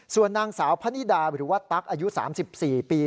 ส่วนนางสาวพะนิดาหรือว่าตั๊กอายุ๓๔ปี